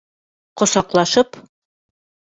Ҡосаҡлашып.